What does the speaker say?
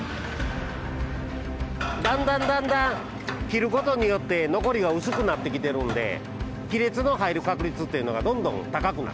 だんだんだんだん切ることによって残りが薄くなってきてるんで亀裂の入る確率っていうのがどんどん高くなっていく。